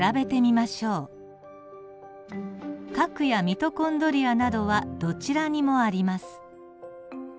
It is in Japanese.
核やミトコンドリアなどはどちらにもあります。